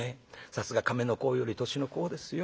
さすが亀の甲より年の功ですよ。